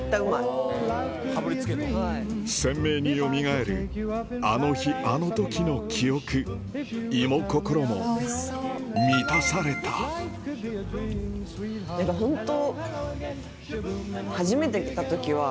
鮮明によみがえるあの日あの時の記憶胃も心も満たされたやっぱホント。